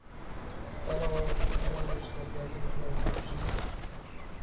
Economics plays a crucial role in understanding and addressing various social and economic issues.